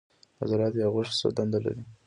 عضلات یا غوښې څه دنده لري